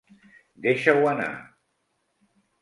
Deixa-ho anar.